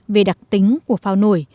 về đặc tính của phao nổi